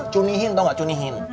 cunihin tau enggak cunihin